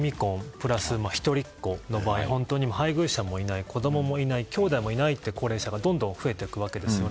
プラス一人っ子の場合本当に配偶者もいない子供もいないきょうだいもいないって高齢者がどんどん増えていくわけですよね。